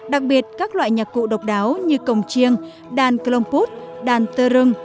đặc biệt các loại nhạc cụ độc đáo như cồng chiêng đàn clompot đàn tơ rừng